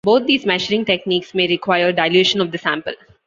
Both these measuring techniques may require dilution of the sample.